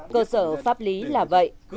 cơ sở pháp lý là vậy